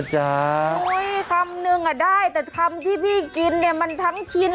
ชิมมมหน่อย